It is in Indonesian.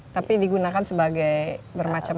tapi digunakan sebagai bermacam